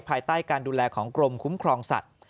ภายใต้การดูแลของกรมคุ้มครองสัตว์